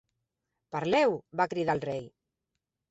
"Parleu!", va cridar el Rei.